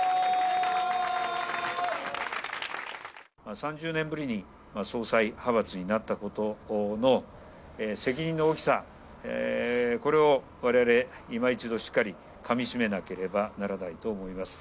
３０年ぶりに、総裁派閥になったことの責任の大きさ、これをわれわれ、今一度しっかりかみしめなければならないと思います。